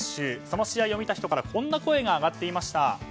その試合を見た人からこんな声が上がっていました。